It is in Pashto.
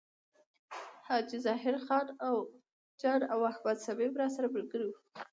حاجي ظاهر جان او احمد صمیم راسره ملګري و.